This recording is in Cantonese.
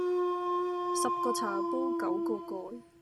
十個茶煲九個蓋